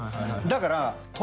だから。